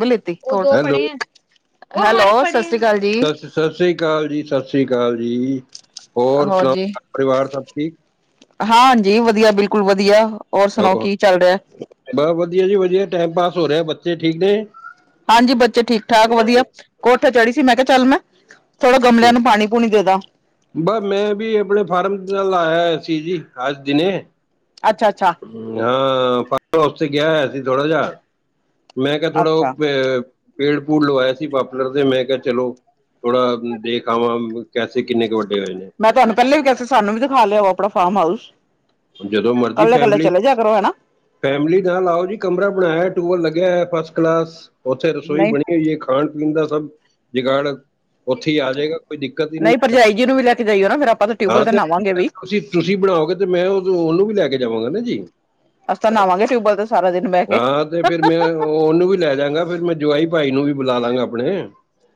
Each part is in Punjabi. ਵੀ ਲਿੱਤੀ ਓ ਦੋ ਹੈਲੋ ਪੜੇ ਐ, ਹੈਲੋ ਸਸ ਸਸ ਸਸਰੀ ਕਾਲ ਜੀ ਸਸਰੀ ਕਾਲ ਜੀ, ਹੋਰ ਸੁਨਾਓ ਘਰ ਪਰਿਵਾਰ ਸਬ ਠੀਕ? ਹਾਂਜੀ ਵਦੀਆ ਬਿਲਕੁਲ ਵਦੀਆ ਔਰ ਸੁਨਾਓ ਹੋ ਕੀ ਚੱਲ ਰੇਐ? ਬਸ ਵਦੀਆ ਜੀ ਵਦੀਆ ਟਾਈਮ ਪਾਸ ਹੋ ਰਿਆ ਬੱਚੇ ਠੀਕ ਨੇ? ਹਾਂਜੀ ਬੱਚੇ ਠੀਕ-ਠਾਕ ਵਦੀਆ ਕੋਠੇ ਚੜੀ ਸੀ ਮੈਂ ਕਿਆ ਚੱਲ ਮੈਂ ਥੋੜਾ ਗਮਲੇਆਂ ਹੂੰ। ਨੂੰ ਪਾਣੀ-ਪੂਣੀ ਦੇਦਾ। ਬਸ ਮੈਂ ਵੀ ਆਪਨੇ ਫਾਰਮ ਦਾ ਲਾ ਆਏਆ ਸੀ ਜੀ ਅੱਜ ਦਿਨੇ। ਅੱਛਾ-ਅੱਛਾ। ਹਾਂ ਫਾਮ ਹਾਊਸ ਤੇ ਗਿਆ ਹੋਏਆ ਸੀ ਥੋੜਾ ਜਾ। ਮੈਂ ਕਿਆ ਥੋੜਾ ਓ ਅੱਛਾ ਪੇ ਪੇੜ-ਪੂੜ ਲਵਾਏਆ ਸੀ ਪਾਪਲਰ ਦੇ ਮੈਂ ਕਿਆ ਚਲੋ ਥੋੜਾ ਦੇਖ ਆਵਾਂ ਕੈਸੇ ਕਿੰਨੇ ਕ ਵੱਡੇ ਹੋਏ ਨੇ। ਮੈਂ ਤੁਆਨੂੰ ਪੈਲਾਂ ਵੀ ਕਿਆ ਸਾਨੂੰ ਵੀ ਦਿਖਾ ਲੇਆਓ ਆਪਨਾ ਫਾਮ ਹਾਊਸ। ਜਦੋਂ ਮਰਜੀ ਕੱਲੇ-ਕੱਲੇ ਫੈਮਿਲੀ ਚਲੇ ਜੇਆ ਕਰੋ ਹੈਨਾ। ਫੈਮਿਲੀ ਨਾਲ ਆਓ ਜੀ ਕਮਰਾ ਬਨਾਏਆ ਐ ਟੂਅਲ ਲੱਗੇਆ ਐ ਫਸਟ ਕਲਾਸ ਓਥੇ ਰਸੋਈ ਨਹੀਂ ਬਨੀ ਹੋਈ ਐ ਖਾਨ-ਪੀਨ ਦਾ ਸਬ ਜਗਾੜ ਓਥੇ ਈ ਆ ਜਾਏਗਾ ਕੋਈ ਦਿੱਕਤ ਈ ਨੀ। ਨਹੀਂ ਭਰਜਾਈ ਜੀ ਨੂੰ ਵੀ ਲੈ ਕੇ ਜਾਈਓ ਨਾ ਫਿਰ ਆਪ ਹਾਂ ਤੇ ਜਿੱਦਨ ਤੁਸੀਂ-ਤੁਸੀਂ ਬਨਾਓਗੇ ਤੇ ਮੈਂ ਓਦਨ ਓਨੂੰ ਵੀ ਲੈ ਕੇ ਜਾਵਾਂਗਾ ਨਾ ਜੀ। ਅਸੀ ਤਾਂ ਨਾਵਾਂਗੇ ਟਿਊਬਵੈਲ ਤੇ ਸਾਰਾ ਦਿਨ ਬੈ ਕੇ। ਹਾਂ ਤੇ ਫਿਰ ਮੈਂ ਓਨੂੰ ਵੀ ਲੈ ਜਾਂਗਾ ਫੇਰ ਮੈਂ ਜਵਾਈ ਭਾਈ ਨੂੰ ਵੀ ਬੁਲਾ ਲਾਂਗਾ ਆਪਨੇ।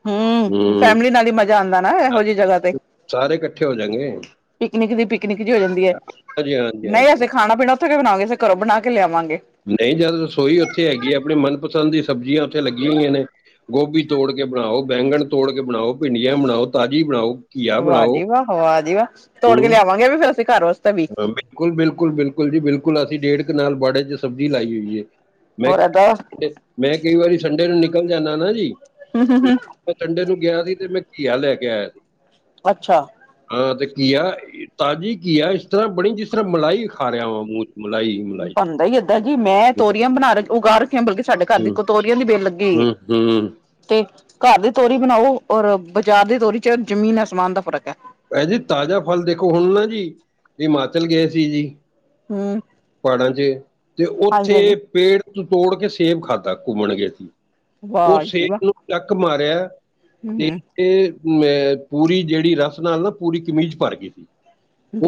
ਹਾਂ ਫੈਮਲੀ ਨਾਲ ਈ ਮਜ਼ਾ ਆਂਦਾ ਨਾ ਇਹੋ ਜੀ ਜਗਾ ਤੇ। ਸਾਰੇ ਇਕੱਠੇ ਹੋ ਜਾਂਗੇ। ਪਿਕਨਿਕ ਦੀ ਪਿਕਨਿਕ ਜੀ ਹੋ ਜਾਂਦੀ ਐ। ਹਾਂਜੀ ਨਈ ਹਾਂਜੀ ਅਸੀਂ ਖਾਣਾ ਪੀਣਾ ਉੱਥੇ ਕਯੋ ਬਣਾਂਗੇ ਅਸੀ ਕਰੋ ਬਣਾਕੇ ਲਿਆਵਾਂਗੇ। ਨਈ ਜਦ ਰਸੋਈ ਉੱਥੇ ਹੈਗੀ ਐ ਆਪਣੇ ਮਨਪਸੰਦ ਦੀ ਸਬਜ਼ੀਆ ਉੱਥੇ ਲੱਗੀਆ ਹੋਈਆ ਨੇ। ਗੋਭੀ ਤੋੜ ਕੇ ਬਣਾਓ, ਬੈਂਗਣ ਤੋੜ ਕੇ ਬਣਾਓ, ਭਿੰਡੀਆਂ ਬਣਾਓ ਤਾਜ਼ੀ ਬਣਾਓ। ਘੀਆ ਵਾਹ ਬਣਾਓ ਜੀ ਵਾਹ, ਵਾਹ ਜੀ ਵਾਹ ਤੋੜ ਕੇ ਲਿਆਵਾਂਗੇ ਵੀ ਫੇਰ ਅਸੀਂ ਕਾਰ ਵਾਸਤੇ ਵੀ। ਕੁਲ, ਬਿਲਕੁਲ-ਬਿਲਕੁਲ ਜੀ ਬਿਲਕੁਲ ਅਸੀਂ ਡੇਢਨ ਕਨਾਲ ਬਾੜੇ ਚ ਸਬਜ਼ੀ ਲਾਈ ਹੋਈ ਏ। ਹੋਰ ਏਦਾਂ ਮੈਂ-ਮੈਂ ਕਈ ਵਾਰੀ ਸੰਡੇ ਨੂੰ ਨਿਕਲ ਜਾਂਦਾ ਨਾ ਜੀ। [unintelligible] ਮੈਂ ਸੰਡੇ ਨੂੰ ਗਿਆ ਸੀ ਤੇ ਮੈਂ ਘੀਆ ਲੈ ਕੇ ਆਇਆ ਸੀ। ਅੱਛਾ ਹਾਂ ਤੇ ਘੀਆ ਤਾਜ਼ੀ ਘੀਆ ਇਸ ਬਣੀ ਜਿਸ ਮਲਾਈ ਖਾ ਰਿਆ ਵਾ ਮੂੰਹ ਮਲਾਈ। ਮਲਾਈ ਬਣਦਾ ਈ ਏਦਾਂ ਜੀ ਮੈਂ ਤੋਰੀਆਂ ਬਣਾ ਰ ਉਗਾ ਰਖਿਆ ਬਲਕਿ ਸਾਡੇ ਕਾਰ ਦੀ ਹੂੰ ਕਤੋਰੀਆਂ ਦੀ ਬੇਲ ਲੱਗੀ ਹੋਈ ਏ। ਹੂੰ ਹੂੰ ਤੇ ਕਾਰ ਤੋਰੀ ਬਣਾਓ ਔਰ ਬਾਜ਼ਾਰ ਦੀ ਤੋਰੀ ਚ ਜ਼ਮੀਨ ਆਸਮਾਨ ਦਾ ਫ਼ਰਕ ਐ। ਇਹ ਜੀ ਤਾਜ਼ਾ ਫਲ ਦੇਖੋ ਹੁਣ ਨਾ ਜੀ, ਹਿਮਾਚਲ ਗਏ ਸੀ ਜੀ। ਹੂੰ। ਪਾੜਾਂ ਚ ਤੇ ਹਾਂਜੀ ਹਾਂਜੀ ਉੱਥੇ ਪੇੜ ਤੋਂ ਤੋੜ ਕੇ ਸੇਬ ਖਾਧਾ ਘੁੰਮਣ ਗਏ ਸੀ। ਓ ਵਾਹ ਜੀ ਵਾਹ ਸੇਬ ਨੂੰ ਟੱਕ ਮਾਰਿਆ [unintelligible] ਤੇ ਮੈਂ ਪੂਰੀ ਜੇੜੀ ਰਸ ਨਾਲ ਨਾ ਪੂਰੀ ਕਮੀਜ਼ ਭਰ ਗਈ ਸੀ।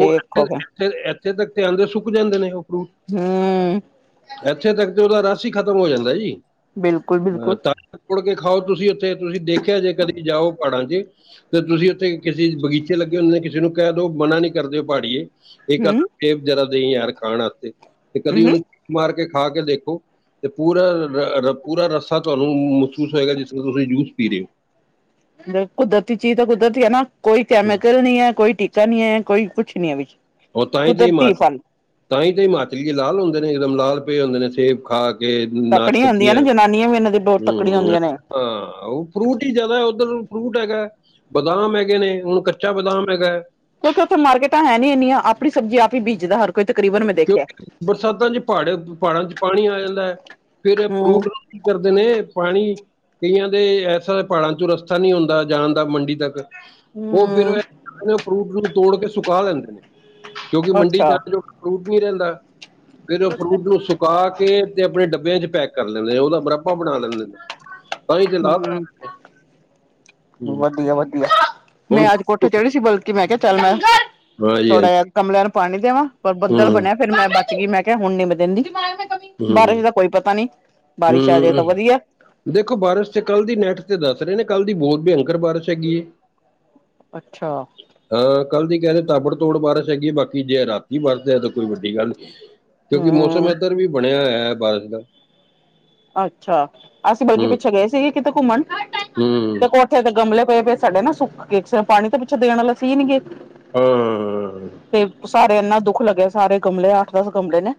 ਉਹੇ ਹੂੰ ਐਥੇ-ਐਥੇ, ਐਥੇ ਤੱਕ ਤੇ ਆਦੇ ਸੁੱਕ ਜਾਂਦੇ ਨੇ ਓ ਫਰੂਟ। ਹੂੰ। ਐਥੇ ਤੱਕ ਤੇ ਓਦਾ ਰਸ ਈ ਖਤਮ ਹੋ ਜਾਂਦਾ ਜੀ, ਬਿਲਕੁਲ ਬਿਲਕੁਲ ਤਾਂ ਤੋੜ ਕੇ ਖਾਓ ਤੁਸੀਂ ਉੱਥੇ ਤੁਸੀਂ ਦੇਖਿਆ ਜੇ ਕਦੀ ਜਾਓ ਪਾੜਾ ਚ। ਤੇ ਤੁਸੀਂ ਉੱਥੇ ਕਿਸੇ ਬਗੀਚੇ ਲੱਗੇ ਹੁੰਦੇ ਨੇ ਕਿਸੇ ਨੂੰ ਕੈ ਦੋ ਮਨਾ ਨੀ ਕਰਦੇ ਹੋ ਪਹਾੜੀਏ। ਏਕ ਅ ਹੂੰ ਸੇਬ ਜ਼ਰਾ ਦੇਈ ਯਾਰ ਖਾਣ ਵਾਸਤੇ ਤੇ ਕਦੀ ਹੂੰ ਉਹਨੂੰ ਚ [inaudible] ਮਾਰ ਕੇ ਖਾ ਕੇ ਦੇਖੋ। ਤੇ ਪੂਰਾ-ਪੂਰਾ ਰੱਸਾ ਤੁਹਾਨੂੰ ਮਹਿਸੂਸ ਹੋਏਗਾ ਜਿਸਨ ਤੁਸੀਂ ਜੂਸ ਪੀ ਰਹੇ ਔ। ਕੁਦਰਤੀ ਚੀਜ਼ ਤਾ ਕੁਦਰਤੀ ਐ ਨਾ, ਕੋਈ ਹੋ। ਕੈਮਿਕਲ ਨੀ ਐ ਕੋਈ ਟੀ ਕਾ ਨੀ ਐ, ਕੋਈ ਕੁੱਛ ਨੀ ਐ ਵਿੱਚ। ਔ ਤਾਂਹੀ ਤੇ ਕੁਦਰਤੀ ਹਿਮਾਚ ਫਲ ਤਾਹੀ ਤੇ ਹਿਮਾਚਲੀਏ ਲਾਲ ਹੂੰਦੇ ਨੇ ਇਕਦਮ ਲਾਲ ਪਏ ਹੁੰਦੇ ਨੇ ਸੇਬ ਖਾ ਕੇ ਤਕੜੀਆਂ ਹੁੰਦੀਆਂ ਨਾ ਨਾਸ਼ਪਤੀਆ ਜਨਾਨੀਆਂ ਵੀ ਇਹਨਾਂ ਦੀ ਬਹੁਤ ਤਕੜੀਆਂ ਹੂੰ-ਹੂੰ। ਹੁੰਦੀਆਂ ਨੇ ਹਾਂ ਉਹ ਫਰੂਟ ਹੀ ਜਾਦਾ ਉੱਧਰ ਫਰੂਟ ਹੈਗਾ। ਬਦਾਮ ਹੈਗੇ ਨੇ ਹੁਣ ਕੱਚਾ ਬਦਾਮ ਹੈਗਾ। ਕਿਉਂਕਿ ਉੱਥੇ ਮਾਰਕਿਟਾ ਹੈ ਨੀ ਇਨੀਆ ਆਪਣੀ ਸਬਜ਼ੀ ਆਪ ਹੀ ਬੀਜਦਾ ਹਰ ਕੋਈ ਤਕਰੀਬਨ ਮੈਂ ਦੇਖਿਆ ਕਿਉਂਕਿ ਬਰਸਾਤਾਂ ਚ ਪਹਾੜੇ ਪਹਾੜਾਂ ਚ ਪਾਨੀ ਆ ਜਾਂਦਾ ਫਿਰ ਹਮ ਫਰੂਟ ਕੀ ਕਰਦੇ ਨੇ ਪਾਨੀ ਕਈਆਂ ਦੇ ਐਸਾ ਪਾੜਾਂ ਚੋਂ ਰਸਤਾ ਨੀ ਹੁੰਦਾ ਜਾਣ ਦਾ ਮੰਡੀ ਤੱਕ। ਉਹ ਫਿਰ ਹਮ [inaudible] ਫਰੂਟ ਨੂੰ ਤੋੜ ਕੇ ਸੁਕਾ ਲਿੰਦੇ ਨੇ, ਕਿਉਂਕਿ ਮੰਡੀ ਚ ਅੱਛਾ ਜਾਣ ਜੋ ਫਰੂਟ ਨੀ ਰੇੰਦਾ, ਫਿਰ ਉਹ ਫਰੂਟ ਨੂੰ ਸੁੱ ਕਾ ਕੇ ਤੇ ਆਪਣੇ ਡੱਬਿਆਂ ਚ ਪੈਕ ਕਰ ਲੈਂਦੇ ਨੇ ਉਦਾ ਮੁਰੱਬਾ ਬਣਾ ਲੈਂਦੇ ਨੇ। ਤਾਈ ਤੇ ਲਾਲ ਵਧੀਆ-ਵਧੀਆ ਹੁਣ ਮੈਂ ਅੱਜ ਕੋਠੇ ਚੜੀ ਸੀ ਬਲ ਕਿ ਮੈਂ ਕਿਹਾ ਚੱਲ ਮੈਂ ਹਾਂਜੀ ਥੋੜਾ ਹਾਂਜੀ ਜਿਹਾ ਗਮਲਿਆਂ ਨੂੰ ਪਾਣੀ ਦੇਵਾਂ, ਪਰ ਬੱਦਲ ਹੂੰ ਬਣਿਆ ਫਿਰ ਮੈਂ ਬਚ ਗਈ, ਮੈਂ ਕਿਹਾ ਹੁਣ ਨੀ ਮੈਂ ਦਿੰਦੀ। ਬਾਰਿਸ਼ ਹੂੰ ਦਾ ਕੋਈ ਪਤਾ ਨੀ, ਬਾਰਿਸ਼ ਆ ਜਾਏ ਹੂੰ ਤਾਂ ਵਧੀਆ ਦੇਖੋ ਬਾਰਿਸ਼ ਤੇ ਕੱਲ ਦੀ ਨੈਟ ਤੇ ਦੱਸ ਰਹੇ ਨੇ ਕੱਲ੍ਹ ਦੀ ਬਹੁਤ ਭਯੰਕਰ ਬਾਰਿਸ਼ ਹੈਗੀ ਐ ਅੱਛਾ ਹਾਂ ਕੱਲ ਦੀ ਕਹਿ ਰ ਤਾਬੜ ਤੋੜ ਬਾਰਸ਼ ਹੈਗੀ ਏ। ਬਾਕੀ ਜੇ ਰਾਤੀ ਵਾਸ ਜਾਏ ਤਾਂ ਕੋਈ ਵੱਡੀ ਗੱਲ ਨਹੀਂ। ਕਿਉਂਕਿ ਮੌਸਮ ਹਮ ਏਧਰ ਵੀ ਬਣਿਆ ਹੋਇਆ ਹੈ ਬਾਰਿਸ਼ ਦਾ। ਅੱਛਾ, ਅਸੀਂ ਬਲਕਿ ਹੂੰ ਪਿੱਛੇ ਗਏ ਸੀਗੇ ਕਿਤੇ ਘੁੰਮਣ ਹੂੰ ਤੇ ਕੋਠੇ ਤੇ ਗਮਲੇ ਪਏ ਪਏ ਸੀ। ਸਾਡੇ ਨਾ ਸੁੱਕ ਗਏ ਸੀ, ਪਾਣੀ ਤਾਂ ਪਿੱਛੋਂ ਦੇਣ ਵਾਲਾ ਸੀ ਨੀ ਗੇ, ਹਾਂ ਤੇ ਸਾਰੇ ਇੰਨਾ ਦੁੱਖ ਲੱਗਿਆ। ਸਾਰੇ ਗਮਲੇ ਅੱਠ-ਦਸ ਗਮਲੇ ਨੇ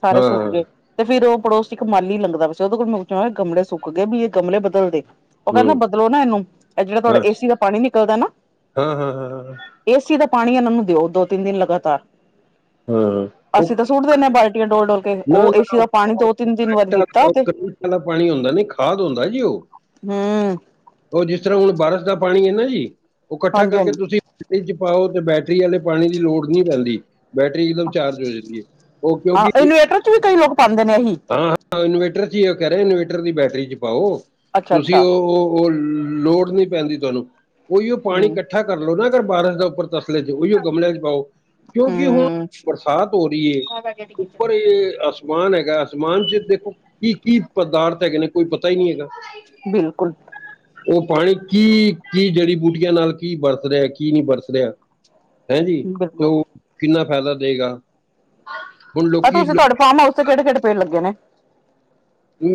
ਸਾਰੇ ਸੁੱਕ ਹਾਂ ਗਏ। ਤੇ ਫਿਰ ਉਹ ਪੜੋਸ ਚ ਇੱਕ ਮਾਲੀ ਲੰਗਦਾ ਪਯਾ ਸੀ ਉਹਦੇ ਕੋਲ ਮੈਂ ਪੁੱਛਿਆ ਗਮਲੇ ਸੁੱਕ ਗਏ, ਵੀ ਇਹ ਗਮਲੇ ਬਦਲ ਦੇ। ਉਹ ਕਹਿੰਦਾ ਹੂੰ ਬਦਲੋ ਨਾ ਇਹਨੂੰ। ਇਹ ਜਿਹੜਾ ਤੁਹਾਡਾ ਹਾਂ ਏਸੀ ਦਾ ਪਾਣੀ ਨਿਕਲਦਾ ਨਾ, ਹਾਂ ਹਾਂ ਹਾਂ, ਏਸੀ ਦਾ ਪਾਣੀ ਇਹਨਾਂ ਨੂੰ ਦਿਓ ਦੋ-ਤਿੰਨ ਦਿਨ ਲਗਾਤਾਰ। ਹਾਂ ਉਹ ਅਸੀਂ ਤਾਂ ਸੁੱਟ ਦਿੰਦੇ ਹਾਂ ਬਾਲਟੀਆਂ ਡੋਲ-ਡੋਲ ਕੇ। ਨਾ ਉਹ ਨਾ ਏਸੀ ਦਾ ਪਾਣੀ ਦੋ ਉਹ ਤਿੰਨ ਤਿੰਨ ਵਰ ਕਰੰਟ ਗੀ ਵਾਲਾ ਉਹ ਕਿਆ ਦਾ ਪਾਣੀ ਹੁੰਦਾ ਨੀ, ਖਾਦ ਹੁੰਦਾ ਜੀ ਉਹ ਹੂੰ ਉਹ ਜਿਸ ਤਰ੍ਹਾਂ ਹੁਣ ਬਾਰਿਸ਼ ਦਾ ਪਾਣੀ ਏ ਨਾ ਜੀ। ਉਹ ਇਕੱਠਾ ਹਾਂਜੀ ਕਰਕੇ ਹਾਂਜੀ ਤੁਸੀਂ ਚ ਪਾਓ ਤੇ ਬੈਟਰੀ ਵਾਲੇ ਪਾਣੀ ਦੀ ਲੋੜ ਨਹੀ ਪੈਂਦੀ। ਬੈਟਰੀ ਇਕਦਮ ਚਾਰਜ ਹੋ ਜਾਦੀ ਏ, ਉਹ ਕਿਉਂਕਿ ਫਿਲਟਰ ਚ ਵੀ ਕਈ ਲੋਕ ਪਾਂਦੇ ਨੇ ਐਹੀ। ਹਾਂ ਹਾਂ, ਇਨਵੇਟਰ ਚ ਹੀ ਉਹ ਕਹਿ ਰਹੇ ਨੇ, ਇਨਵੇਟਰ ਦੀ ਬੈਟਰੀ ਚ ਪਾਓ। ਅੱਛਾ ਤੁਸੀਂ ਅੱਛਾ ਉਹ ਉਹ ਲੋੜ ਨਹੀ ਪੈਂਦੀ ਤੁਹਾਨੂੰ, ਉਹੀ ਉਹ ਪਾਣੀ ਹਮ ਕੱਟ ਇਕੱਠਾ ਕਰ ਲਓ ਨਾ ਅਰ ਬਾਰਸ਼ ਦਾ ਉੱਪਰ ਤਸਲੇ ਚ ਉਹੀਓ ਗਮਲਿਆਂ ਚ ਪਾਓ। ਕਿਉਂਕਿ ਹੁਣ ਹਮ ਬਰਸਾਤ ਹੋ ਰਹੀ ਏ। ਉਪਰ ਇਹ ਆਸ ਅਸਮਾਨ ਹੈਗਾ ਅਸਮਾਨ ਚ ਦੇਖੋ ਕੀ ਕੀ ਪਦਾਰਥ ਹੈਗੇ ਨੇ ਕੋਈ ਪਤਾ ਹੀ ਨਹੀਂ ਹੈਗਾ? ਬਿਲਕੁਲ ਉਹ ਪਾਣੀ ਕੀ-ਕੀ ਜੜੀ ਬੂਟੀਆਂ ਨਾਲ। ਕੀ ਬਰਸ ਰਿਹਾ ਕੀ ਨਹੀਂ ਬਰਤ ਰਿਹਾ? ਅੱਛਾ ਹੈਜੀ ਤੇ ਉਹ ਕਿੰਨਾ ਫਾਇਦਾ ਦੇਗਾ। ਹੁਣ ਪਰ ਲੋਕੀ ਤੁਸੀਂ ਲੋ- ਤੁਹਾਡੇ ਫਾਰ ਹਾਊਸ ਤੇਹੜ ਕਿਹੜੇ-ਕਿਹੜੇ ਪੇੜ ਲੱਗੇ ਨੇ?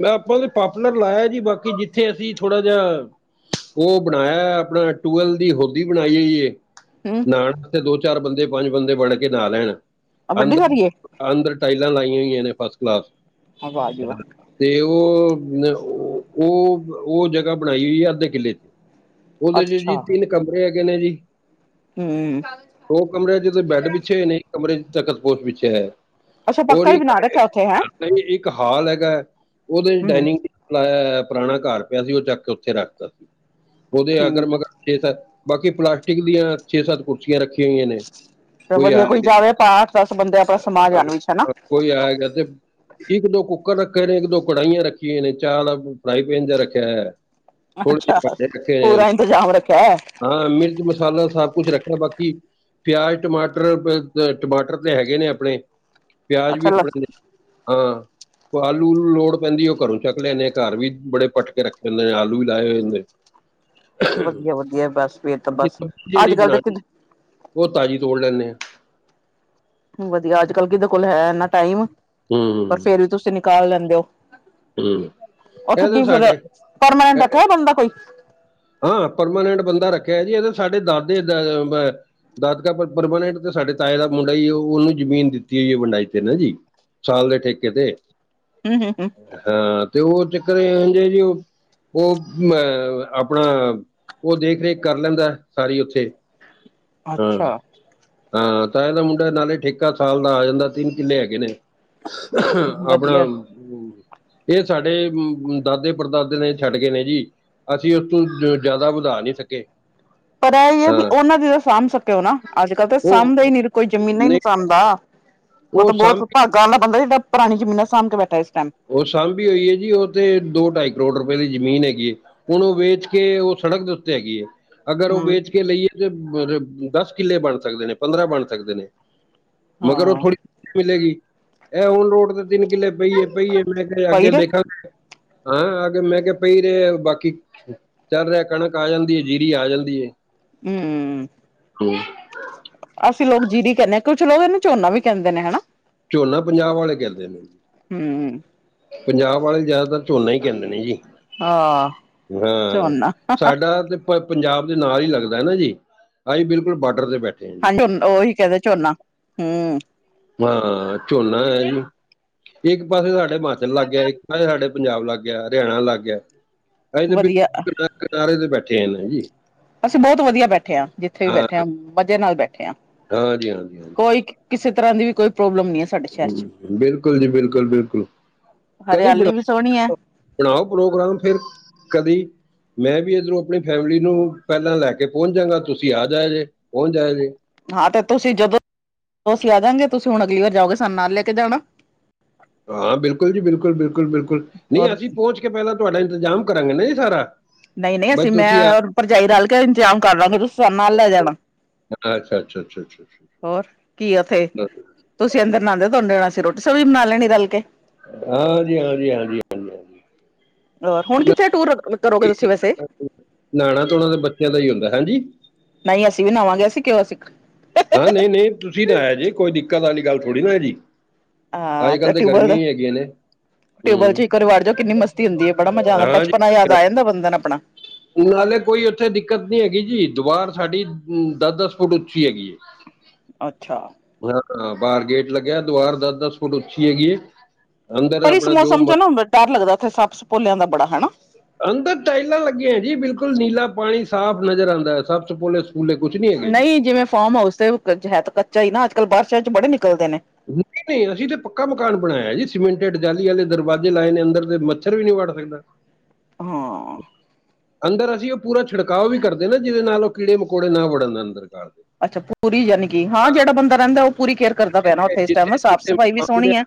ਆਪਾਂ ਤੇ ਪਾਪੂਲਰ ਲਾਇਆ ਜੀ। ਬਾਕੀ ਜਿੱਥੇ ਅਸੀਂ ਥੋੜਾ ਜਿਹਾ ਉਹ ਬਣਾਇਆ ਆਪਣਾ ਟੀਯੂਬਵੈਲ ਦੀ ਹੋਦੀ ਬਣਾਈ ਹੋਈ ਏ। ਹੂ ਸੜਕ ਤੇ ਦੋ ਚਾਰ ਬੰਦੇ ਪੰਜ ਬੰਦੇ ਬਣ ਕੇ ਨਾ ਲੈਣ ਆ ਵੱਡੀ ਸਾਰੀ ਏ ਅੰਦਰ ਅੰਦਰ ਟਾਈਲਾਂ ਲਾਈਆਂ ਹੋਈਆਂ ਨੇ ਫਸ ਕਲਾਸ। ਅਹ ਵਾ ਜੀ ਵਾ। ਤੇ ਉਹ ਉਹ ਉਹ ਜਗ੍ਹਾ ਬਣਾਈ ਹੋਈ ਆ ਅੱਧੇ ਕਿੱਲੇ ਚ। ਉਹਦੇ ਚ ਜੀ ਅੱਛਾ ਤਿੰਨ ਕਮਰੇ ਹੈਗੇ ਨੇ ਜੀ। ਹੂ ਦੋ ਕਮਰਿਆਂ ਚੋਂ ਬੈੱਡ ਬਿਛੇ ਹੋਏ ਨੇ, ਇਕ ਕਮਰੇ ਚ ਤਖ਼ਤਪੋਸ਼ ਬਿਛੇਆ ਹੋਯਾ ਹੈ। ਅੱਛਾ ਔਰ ਪੱਕਾ ਹੀ ਇੱਕ ਬਣਾ ਰੱਖਿਆ ਉੱਥੇ ਹੈਂ ਇੱਕ ਹਾਲ ਹੈਗਾ ਹੈ ਉਹਦੇ ਚ ਹਮ ਡਾਇਨਿੰਗ- ਲਾਇਆ ਹੋਯਾ ਐ, ਪੁਰਾਣਾ ਘਰ ਪਿਆ ਸੀ, ਉਹ ਚੱਕ ਕੇ ਉੱਥੇ ਰੱਖ ਤਾ ਉਹਦੇ ਠੀਕ ਆ ਅਗਰ-ਮਗਰ ਛੇ-ਸੱਤ ਬਾਕੀ ਪਲਾਸਟਿਕ ਦੀਆਂ ਛੇ-ਸੱਤ ਕੁਰਸੀਆਂ ਰੱਖੀਆਂ ਹੋਈਆਂ ਨੇ ਚਲੋ ਕੋਈ ਵਧੀਆ ਆਣਗੇ ਤੇ। ਜਾਵੇ ਆਪਾਂ ਅੱਠ ਦਸ ਬੰਦੇ ਆਪਣਾ ਸਮਾ ਜਾਣ ਵਿਚ ਹੈਨਾ। ਕੋਈ ਆਏਗਾ ਤੇ ਇੱਕ-ਦੋ ਕੁੱਕਰ ਰੱਖੇ ਨੇ। ਇੱਕ-ਦੋ ਕੜਾਈਆਂ ਰੱਖੀਆਂ ਨੇ। ਚਾਹ ਆਲਾ ਫਰਾਈ ਪੈਨ ਜਿਹਾ ਰੱਖਿਆ ਏ। ਅੱਛਾ, ਪੂਰਾ ਇਤਜ਼ਾਮ ਰੱਖਿਆ। ਹਾਂ। ਮਿਰਚ-ਮਸਾਲਾ ਸਭ ਕੁਛ ਰੱਖ‌ਇਆ। ਬਾਕੀ ਪਿਆਜ਼, ਟਮਾਟਰ, ਬ ਅ ਟਮਾਟਰ ਹੈਗੇ ਨੇ ਆਪਣੇ। ਪਿਆਜ਼ ਵੀ ਅੱਛਾ ਲ ਆਪਣੇ ਨੇ। ਹਾਂ। ਓ ਆਲੂ-ਊਲੂ ਲੋੜ ਪੈਂਦੀ ਏ, ਉਹ ਘਰੋਂ ਚੱਕ ਲੈਂਨੇ ਆ। ਘਰ ਵੀ ਬੜੇ ਪੱਟਕੇ ਰੱਖੇ ਹੁੰਦੇ ਨੇ। ਆਲੂ ਵੀ ਲਾਏ ਹੋਏ ਨੇ। ਵਧੀਆ-ਵਧੀਆ। ਬਸ ਫੇਰ ਤਾਂ ਬਾਕੀ ਬਸ ਸਬਜ਼ੀ ਜਿਹੜੀ ਅੱਜ-ਕੱਲ੍ਹ ਦੇ ਬਣਾਉਣੀ ਉਹ ਤਾਜ਼ੀ ਤੋੜ ਲੈਂਨੇ ਆ। ਵਧੀਆ, ਅੱਜ-ਕੱਲ੍ਹ ਕੀਦੇ ਕੋਲ ਹੈ ਐਂਨਾ ਟਾਈਮ। ਪਰ ਹੂੰ ਫੇਰ ਵੀ ਤੁਸੀਂ ਨਿਕਾਲ ਲੈਂਦੇ ਓ। ਹੂੰ ਉੱਥੇ ਇਹ ਤਾਂ ਕੀ ਫਿਰ, ਸਾਡੇ ਪਰਮਾਨੈਂਟ ਇਹ- ਰੱਖਿਆ ਏ ਬੰਦਾ ਕੋਈ। ਹਾਂ, ਪਰਮਾਨੈਂਟ ਬੰਦਾ ਰੱਖਿਆ ਜੀ। ਇਹਦੇ ਸਾਡੇ ਦਾਦੇ ਦਾ ਅ ਦਾਦਕਾ ਪਰਮਾਨੈਂਟ ਤੇ ਸਾਡੇ ਤਾਏ ਦਾ ਮੁੰਡਾ ਈ ਏ। ਉਹਨੂੰ ਜ਼ਮੀਨ ਦਿੱਤੀ ਹੋਈ ਐ ਵੰਡਾਈ ਤੇ ਨਾ ਜੀ। ਸਾਲ ਦੇ ਠੇਕੇ ਤੇ। ਹਮ-ਹਮ-ਹਮ। ਹਾਂ ਤੇ ਉਹ ਚੱਕਰ ਇਹੋ ਜੇ ਜੀ। ਉਹ-ਉਹ ਮੈਂ ਅਹ ਆਪਣਾ ਉਹ ਦੇਖ-ਰੇਖ ਕਰ ਲੈਂਦਾ, ਸਾਰੀ ਉੱਥੇ। ਅੱਛਾ ਹਾਂ-ਹਾਂ, ਤਾਏ ਦਾ ਮੁੰਡਾ ਨਾਲੇ ਠੇਕਾ ਸਾਲ ਦਾ ਆ ਜਾਂਦਾ। ਤਿੰਨ ਕਿੱਲੇ ਹੈਗੇ ਨੇ। ਆਪਣਾ ਵਧੀਆ ਇਹ ਸਾਡੇ ਦਾਦੇ-ਪੜਦਾਦੇ ਨੇ ਛੱਡ ਗਏ ਨੇ ਜੀ। ਅਸੀਂ ਉਸ ਤੋਂ ਜ਼ਿਆਦਾ ਵਧਾ ਨੀ ਸਕੇ। ਪਰ ਐਈਏ ਵੀ ਹਾਂ ਉਹਨਾਂ ਦੀ ਤੇ ਸਾਂਭ ਸਕਿਓ ਨਾ। ਅੱਜ-ਕੱਲ੍ਹ ਤਾਂ ਉਹ ਸਾਂਭੇ ਈ ਨੀ, ਕੋਈ ਜ਼ਮੀਨਾਂ ਈ ਨੀ ਨਹੀਂ ਸਾਂਭਦਾ। ਉਹ ਤਾਂ ਬਹੁਤ ਭਾਗਾਂ ਵਾਲਾ ਬੰਦਾ, ਜਿਹੜਾ ਪੁਰਾਣੀ ਜ਼ਮੀਨਾਂ ਸਾਂਭ ਕੇ ਬੈਠਾ ਇਸ ਟੈਂਮ। ਉਹ ਸਾਂਭੀ ਹੋਈ ਏ ਜੀ। ਉਹ ਤੇ ਦੋ ਢਾਈ ਕਰੋੜ ਰੁਪਏ ਦੀ ਜ਼ਮੀਨ ਹੈਗੀ। ਹੁਣ ਉਹ ਵੇਚ ਕੇ, ਉਹ ਸੜਕ ਦੇ ਉੱਤੇ ਹੈਗੀ ਏ। ਅਗਰ ਉਹ ਹੂੰ ਵੇਚ ਕੇ ਲਈਏ ਤੇ ਬ ਦੱਸ ਕਿੱਲੇ ਬਣ ਸਕਦੇ ਨੇ। ਪੰਦਰਾਂ ਬਣ ਸਕਦੇ ਨੇ। ਮਗਰ ਉਹ ਹਾਂ ਥੋੜ੍ਹੀ ਮਿਲੇਗੀ। ਐ ਹੁਣ ਰੋਡ ਤੇ ਤਿੰਨ ਕਿੱਲੇ ਪਈ ਹੈ ਪਈ ਏ। ਮੈਂ ਕਿਹਾ ਪਈ ਅੱਗੇ ਦੇ ਦੇਖਾਂਗੇ। ਹਾਂ, ਅੱਗੇ ਮੈਂ ਕਿਹਾ ਪਈ ਰਹੇ ਬਾਕੀ ਚੱਲ ਰਿਹਾ। ਕਣਕ ਆ ਜਾਂਦੀ ਏ, ਜੀਰੀ ਆ ਜਾਂਦੀ ਏ। ਹਮ। ਅਸੀਂ ਲੋਗ ਜੀਰੀ ਕਹਿੰਨੇ। ਕੁਛ ਲੋਗ ਇਹਨੂੰ ਝੋਨਾ ਵੀ ਕਹਿੰਦੇ ਨੇ ਹਨਾ। ਝੋਨਾ ਪੰਜਾਬ ਵਾਲੇ ਕਹਿੰਦੇ ਨੇ। ਹਮ। ਪੰਜਾਬ ਆਲੇ ਜ਼ਿਆਦਾਤਰ ਝੋਨਾ ਈ ਕਹਿੰਦੇ ਨੇ ਜੀ। ਹਾਂ ਹਾਂ, ਝੋਨਾ ਸਾਡਾ ਤੇ ਪ-ਪੰਜਾਬ ਦੇ ਨਾਲ ਈ ਲੱਗਦਾ ਐ ਨਾ ਜੀ। ਅਹੀ ਬਿਲਕੁਲ ਬਾਡਰ ਤੇ ਬੈਠੇ ਆ। ਹਾਡੇ ਉਹੀ ਕਹਿੰਦੇ ਝੋਨਾ, ਹਮ। ਹਾਂ, ਝੋਨਾ ਐ ਜੀ। ਇੱਕ ਪਾਸੇ ਸਾਡੇ ਹਮਾਚਲ ਲੱਗ ਗਿਆ। ਇੱਕ ਪਾਸੇ ਸਾਡੇ ਪੰਜਾਬ ਲੱਗ ਗਿਆ। ਹਰਿਆਣਾ ਲੱਗ ਗਿਆ। ਅਹੀਂ ਤੇ ਵਧੀਆ ਬਿਲਕੁਲ ਕਿਨਾਰੇ ਤੇ ਬੈਠੇ ਆ ਨਾ ਜੀ। ਅਸੀਂ ਬਹੁਤ ਵਧੀਆ ਬੈਠੇ ਆ। ਜਿੱਥੇ ਵੀ ਹਾਂ ਬੈਠੇ ਆ, ਮਜ਼ੇ ਨਾਲ ਬੈਠੇ ਆ। ਹਾਂਜੀ ਹਾਂਜੀ ਹਾਂਜੀ ਕੋਈ ਕਿਸੇ ਤਰ੍ਹਾਂ ਦੀ ਵੀ ਕੋਈ ਪ੍ਰੋਬਲਮ ਨੀ ਐ ਸ ਬਿਲਕੁਲ ਜੀ, ਬਿਲਕੁਲ-ਬਿਲਕੁਲ। ਹਰਿਆਲੀ ਵੀ ਸੋਹਣੀ ਐ। ਬਣਾਓ ਪ੍ਰੋਗਰਾਮ ਫਿਰ, ਕਦੀ ਮੈਂ ਵੀ ਇੱਧਰੋਂ ਆਪਣੀ ਫੈਮਿਲੀ ਨੂੰ ਪਹਿਲਾਂ ਲੈਕੇ ਪਹੁੰਚ ਜਾਗਾ। ਤੁਸੀਂ ਆ ਜਾਇਆ ਜੇ, ਪਹੁੰਚ ਜਾਇਆ ਜੇ। ਹਾਂ ਤੇ ਤੁਸੀਂ ਜਦੋਂ, ਅਸੀਂ ਆ ਜਾਂਵਗੇ ਤੁਸੀਂ ਹੁਣ ਅਗਲੀ ਵਾਰ ਜਾਓਗੇ ਸਾਨੂੰ ਨਾਲ ਲੈ ਕੇ ਜਾਣਾ। ਹਾਂ ਬਿਲਕੁਲ ਜੀ, ਬਿਲਕੁਲ- ਬਿਲਕੁਲ- ਬਿਲਕੁਲ ਨਹੀਂ ਹੋਰ ਅਸੀਂ ਪਹੁੰਚ ਕੇ ਪਹਿਲਾਂ ਤੁਹਾਡਾ ਇੰਤਜ਼ਾਮ ਕਰਾਂਗੇ ਨਾ ਜੀ ਸਾਰਾ। ਨਹੀਂ - ਨਹੀਂ ਅਸੀਂ ਬਸ ਮੈਂ ਤੁਸੀਂ ਆ ਭਰਜਾਈ ਰਲ ਕੇ ਇੰਜਜ਼ਾਮ ਕਰ ਲਗੇ ਤੁਸੀਂ ਸਮਾਨ ਨਾਲ ਲੈ ਜਾਣਾ। ਅੱਛਾ। ਅੱਛਾ- ਅੱਛਾ- ਅੱਛਾ- ਅੱਛਾ। ਹੋਰ ਕੀ ਉੱਥੇ ਤੁਸੀਂ ਅੰਦਰ ਨਾ ਨਾਦੇ ਤੁਹਦੇ, ਨਾਲ ਅਸੀ ਰੋਟੀ ਸਬਜੀ ਵੀ ਬਣਾ ਲੈਣੀ ਰਲ ਕੇ। ਹਾਂਜੀ-ਹਾਂਜੀ-ਹਾਂਜੀ। ਹੋਰ ਹੁਣ ਕਿੱਥੇ ਟੂਰ ਕਰੋਗੇ ਤੁਸੀ ਵੈਸੇ। ਨਾਉਣਾ ਧੋਣਾ ਤਾਂ ਬੱਚਿਆਂ ਦਾ ਹੀ ਹੁੰਦਾ ਹੈਜੀ। ਨਹੀਂ ਅਸੀਂ ਵੀ ਨਵਾਂਗੇ ਅਸੀ ਕਿਉਂ ਸਿੱ ਹਾਂ ਨਹੀਂ-ਨਹੀਂ ਤੁਸੀਂ ਨਾ ਆ ਜੀ ਕੋਈ ਦਿੱਕਤ ਆਲੀ ਗੱਲ ਥੋੜ੍ਹੀ ਨਾ ਆ ਜੀ। ਅੱਜ ਕੱਲ੍ਹ ਤਾਂ ਗਰਮੀਆਂ ਹੀ ਹੈਗੀਆਂ ਨੇ। ਟਿਊਵੈਲ ਚ ਹੂੰ ਇੱਕ ਵਾਰੀ ਵੜ ਜੋ, ਕਿੰਨੀ ਮਸਤੀ ਹੁੰਦੀ ਐ ਬੜਾ ਮਜ਼ਾ ਆਉਂਦਾ ਹਾਂ ਜੀ ਬਚਪਨ ਯਾਦ ਆ ਜਾਂਦਾ ਬੰਦੇ ਨੂੰ ਆਪਣਾ। ਨਾਲੇ ਕੋਈ ਉੱਥੇ ਦਿੱਕਤ ਨੀ ਹੈਗੀ ਜੀ ਦੀਵਾਰ ਸਾਡੀ ਦਸ -ਦਸ ਫੁੱਟ ਉੱਚੀ ਹੈਗੀ ਐਂ। [inaudible] ਅੱਛਾ। ਹਾਂ ਬਾਹਰ ਗੇਟ ਲੱਗਿਆ ਦੁਬਾਰ ਦਾ ਦਸ ਫੁੱਟ ਉੱਚੀ ਹੈਗੀ ਐਂ। ਪਰ ਇਸ ਮੌਸਮ ਚ ਨਾ ਡਰ ਲੱਗਦਾ ਉੱਥੇ ਸੱਪ ਸਪੋਲਿਆਂ ਦਾ ਬੜਾ ਹਨਾ। ਅੰਦਰ ਟਾਇਲਾਂ ਲੱਗੀਆਂ ਜੀ ਬਿਲਕੁਲ ਨੀਲਾ ਪਾਣੀ ਸਾਫ਼ ਨਜ਼ਰ ਆਦਾ ਸਭ ਸੱਪ- ਸਪੋਲੇ ਨਹੀਂ ਕੁਛ ਨੀ। ਨਹੀਂ ਜਿਵੇਂ ਫਾਰਮ ਹਾਊਸ ਦੇ ਹੈ ਤਾਂ ਕੱਚਾ ਹੀ ਨਾ ਅੱਜ ਕੱਲ੍ਹ ਬਾਰਸ਼ਾ ਚ ਬੜੇ ਨਿਕਲਦੇ ਨੇ। ਨਹੀਂ-ਨਹੀਂ ਅਸੀਂ ਤੇ ਪੱਕਾ ਮਕਾਨ ਬਣਾਇਆ ਜੀ, ਸੀਮੈਂਟਿਡ ਜਾਲੀ ਆਲੇ ਦਰਵਾਜ਼ੇ ਲਾਏ ਨੇ ਅੰਦਰ ਤੇ ਮੱਛਰ ਵੀ ਨਹੀਂ ਵੱੜ ਸਕਦਾ। ਹਾਂ। ਅੰਦਰ ਅਸੀਂ ਪੂਰਾ ਉਹ ਛਿਕਾਅ ਵੀ ਕਰਦੇ ਨਾ, ਜਿਹਦੇ ਨਾਲ ਉਹ ਮਕੌੜੇ ਨਾ ਵੜਨ ਅੰਦਰ ਘਰ ਦੇ। ਅੱਛਾ ਪੂਰੀ ਜਾਨੀਕਿ ਹਾਂ ਜਿਹੜਾ ਬੰਦਾ ਰਹਿੰਦਾ ਉਹ ਪੂਰੀ ਕੇਅਰ ਕਰਦਾ ਪਿਆ ਨਾ, ਜਿੱਥੇ ਉਥੇ ਇਸ ਟਾਈਮ ਜਿੱਥੇ ਸਾਫ਼ ਜਿੱਥੇ ਸਫ਼ਾਈ ਵੀ ਮਕਾਨ ਦੇ ਸੋਹਣੀ ਐ।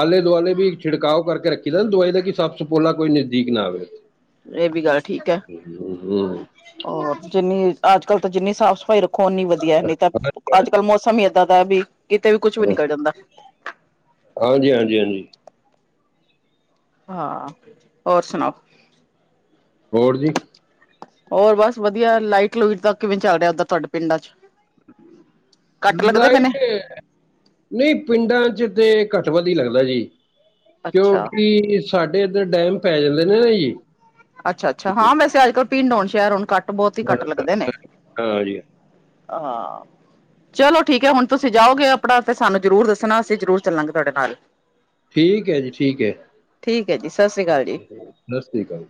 ਆਲੇ ਦੁਆਲੇ ਵੀ ਛਿੜਕਾਓ ਕਰਕੇ ਰੱਖੀ ਦਾ ਦਵਾਈ ਦਾ ਕਿ ਸੱਪ ਸਪੋਲਾ, ਕੋਈ ਨਜ਼ਦੀਕ ਨਾ ਆਵੇ ਉਥੇ। ਇਹ ਵੀ ਗੱਲ ਠੀਕ ਐ। ਹਮ, ਹੋਰ ਜਿੰਨੀ ਅੱਜ ਕੱਲ ਤਾਂ ਜਿੰਨੀ ਸਾਫ਼ ਸਫ਼ਾਈ ਰੱਖੋ ਉਨੀਂ ਵਧੀਆ ਨੀ ਤਾਂ ਅੱਜ ਕੱਲ ਮੌਸਮ ਹੀ ਏਦਾਂ ਦਾ ਵੀ ਕਿਤੇ ਵੀ ਕੁੱਛ ਵੀ ਹਮ। ਹਾਂਜੀ ਨਿਕਲ ਜਾਂਦਾ। ਹਾਂਜੀ -ਹਾਂਜੀ- ਹਾਂਜੀ। ਹਾਂ ਹੋਰ ਸੁਣਾਓ? ਹੋਰ ਜੀ। ਹੋਰ ਬਸ ਵਧੀਆ ਲਾਈਟ ਲੁਟ ਦਾ ਕਿਵੇਂ ਚੱਲ ਰਿਹਾ ਉਦਰ ਤੁਹਾਡੇ ਪਿੰਡਾਂ ਚ। ਕੱਟ ਲੱਗਦੇ ਪਏ ਨੇ ਲਾਈਟ ਏ ਨਹੀਂ ਪਿੰਡਾਂ ਚ ਤੇ ਘੱਟ ਵੱਧ ਹੀ ਲੱਗਦਾ ਜੀ ਅੱਛਾ ਕਿਉਂਕਿ ਸਾਡੇ ਇੱਧਰ ਡੈਮ ਪੈ ਜਾਂਦੇ ਨੇ ਨਾ ਜੀ। ਅੱਛਾ -ਅੱਛਾ ਹਾਂ, ਵੈਸੇ ਅੱਜ ਕੱਲ ਪਿੰਡ ਹੋਣ ਸ਼ਹਿਰ ਹੋਣ ਕੱਟ ਬਹੁਤ ਹੀ ਘੱਟ ਲੱਗਦੇ ਨੇ। ਹਾਂ ਜੀ ਹਾਂ। ਚਲੋ ਠੀਕ ਹੈ ਹੁਣ ਤੁਸੀਂ ਜਾਓਗੇ ਆਪਣਾ ਤੇ ਸਾਨੂੰ ਜ਼ਰੂਰ ਦੱਸਣਾ, ਅਸੀਂ ਜ਼ਰੂਰ ਚੱਲਾਂਗੇ ਤੁਹਾਡੇ ਨਾਲ। ਠੀਕ ਹੈ ਜੀ, ਠੀਕ ਹੈ ਠੀਕ ਹੈ ਜੀ ਸ਼੍ਰੀ ਅਕਾਲ ਜੀ। ਸਤਿ ਸ਼੍ਰੀ ਅਕਾਲ ਜੀ।